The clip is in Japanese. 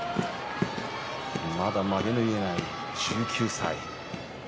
まだまげの結えない１９歳。